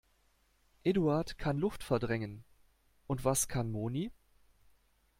Eduard kann Luft verdrängen. Und was kann Moni?